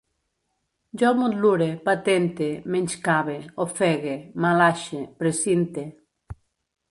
Jo motlure, patente, menyscabe, ofegue, malaxe, precinte